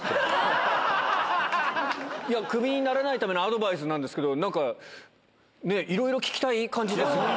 クビにならないためのアドバイスなんですけど、なんか、ね、いろいろ聞きたい感じですね。